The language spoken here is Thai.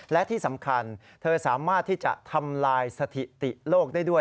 และที่สำคัญเธอสามารถที่จะทำลายสถิติโลกได้ด้วย